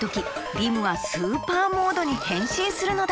リムはスーパーモードにへんしんするのだ！